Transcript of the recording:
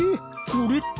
これって。